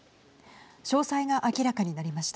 詳細が明らかになりました。